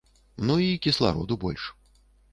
Ну і кіслароду больш.